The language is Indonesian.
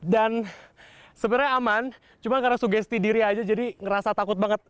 dan sebenernya aman cuma karena sugesti diri aja jadi ngerasa takut banget